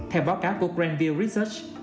theo báo cáo của greenville research